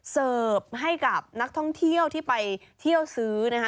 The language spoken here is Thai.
เสิร์ฟให้กับนักท่องเที่ยวที่ไปเที่ยวซื้อนะคะ